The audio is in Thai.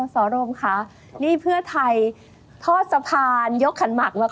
สอรมค่ะนี่เพื่อไทยทอดสะพานยกขันหมักมา